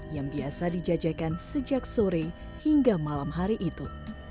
yang biasa dijajakan sejak sore hingga malam hari itu